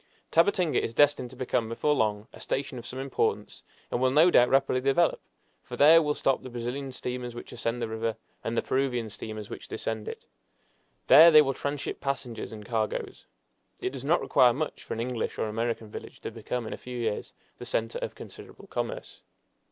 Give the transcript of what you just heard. Tabatinga is destined to become before long a station of some importance, and will no doubt rapidly develop, for there will stop the Brazilian steamers which ascend the river, and the Peruvian steamers which descend it. There they will tranship passengers and cargoes. It does not require much for an English or American village to become in a few years the center of considerable commerce.